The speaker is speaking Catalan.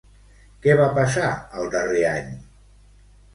Què va passar el darrer any?